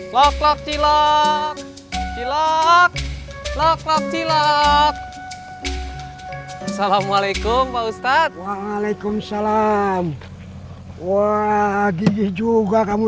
loklok cilok cilok loklok cilok assalamualaikum pak ustadz waalaikumsalam wah gigih juga kamu